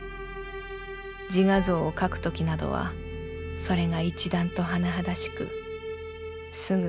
自画像を描く時などはそれが一段と甚だしくすぐ